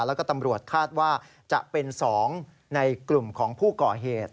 แล้วก็ตำรวจคาดว่าจะเป็น๒ในกลุ่มของผู้ก่อเหตุ